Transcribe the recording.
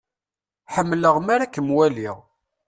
Ḥemmleɣ mi ara akem-waliɣ.